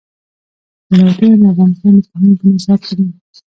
ولایتونه د افغانستان د پوهنې په نصاب کې دي.